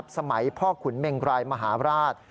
สมัยพ่อขุนเมงรายมหาราช